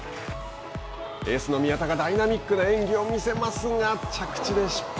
エースの宮田がダイナミックな演技を見せますが、着地で失敗。